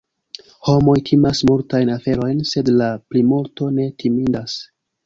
Homoj timas multajn aferojn, sed la plimulto ne timindas.